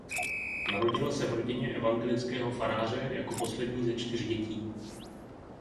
Narodila se v rodině evangelického faráře jako poslední ze čtyř dětí.